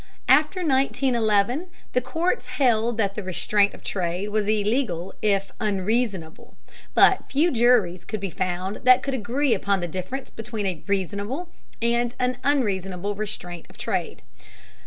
After 1911 the courts held that the restraint of trade was illegal if "unreasonable," but few juries could be found that could agree upon the difference between a "reasonable" and an "unreasonable" restraint of trade.